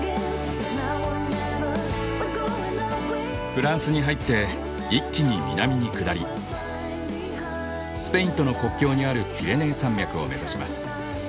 フランスに入って一気に南に下りスペインとの国境にあるピレネー山脈を目指します。